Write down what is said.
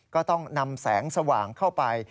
ก็ต้องนำแสงสว่างเข้าไป